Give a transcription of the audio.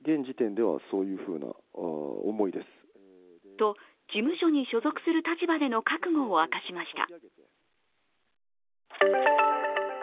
と、事務所に所属する立場での覚悟を明かしました。